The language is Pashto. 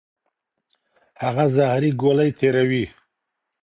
هغه زهري ګولۍ تیروي.